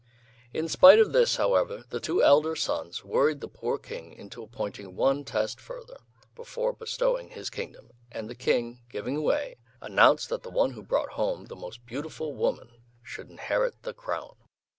In spite of this, however, the two elder sons worried the poor King into appointing one test further, before bestowing his kingdom, and the King, giving way, announced that the one who brought home the most beautiful woman should inherit the crown.